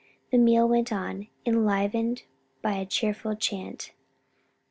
The meal went on, enlivened by cheerful chat.